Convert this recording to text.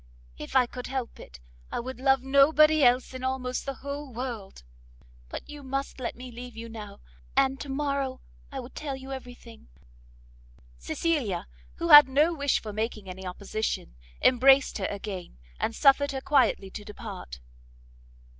if I could help it, I would love nobody else in almost the whole world. But you must let me leave you now, and to morrow I will tell you every thing." Cecilia, who had no wish for making any opposition, embraced her again, and suffered her quietly to depart.